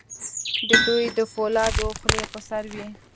د دوی د فولادو خولۍ په سر وې.